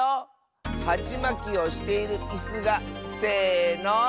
はちまきをしているいすがせの。